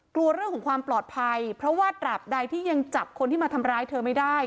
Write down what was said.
กลัวเรื่องของความปลอดภัยเพราะว่าตราบใดที่ยังจับคนที่มาทำร้ายเธอไม่ได้